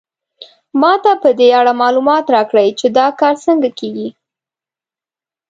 ما ته په دې اړه معلومات راکړئ چې دا کار څنګه کیږي